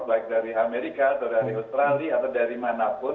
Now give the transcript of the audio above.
baik dari amerika atau dari australia atau dari manapun